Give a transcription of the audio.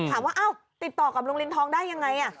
อ้าวติดต่อกับลุงลินทองได้ยังไง